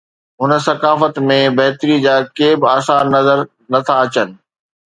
هن ثقافت ۾ بهتري جا ڪي به آثار نظر نه ٿا اچن.